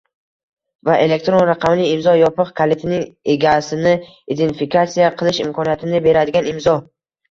va elektron raqamli imzo yopiq kalitining egasini identifikatsiya qilish imkoniyatini beradigan imzo;